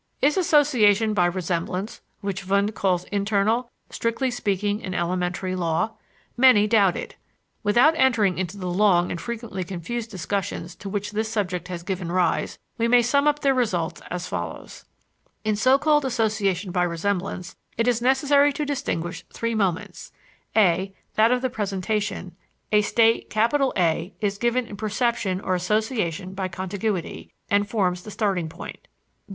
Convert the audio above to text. Is association by resemblance, which Wundt calls internal, strictly speaking, an elementary law? Many doubt it. Without entering into the long and frequently confused discussions to which this subject has given rise, we may sum up their results as follows: In so called association by resemblance it is necessary to distinguish three moments (a) That of the presentation; a state A is given in perception or association by contiguity, and forms the starting point.